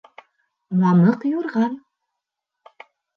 Мамыҡ юрған